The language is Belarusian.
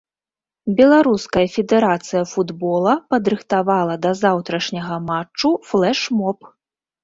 Беларуская федэрацыя футбола падрыхтавала да заўтрашняга матчу флэш-моб.